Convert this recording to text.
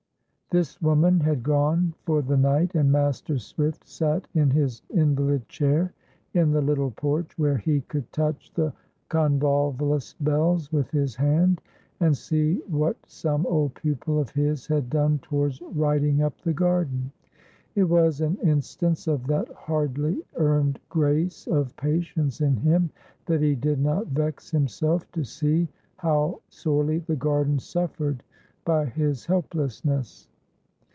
This woman had gone for the night, and Master Swift sat in his invalid chair in the little porch, where he could touch the convolvulus bells with his hand, and see what some old pupil of his had done towards "righting up" the garden. It was an instance of that hardly earned grace of patience in him that he did not vex himself to see how sorely the garden suffered by his helplessness.